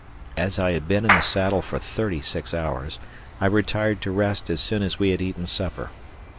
As I had been in the saddle for thirty six hours, I retired to rest as soon as we had eaten supper.